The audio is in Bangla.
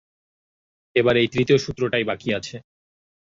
এবার এই তৃতীয় সূত্রটাই বাকি আছে।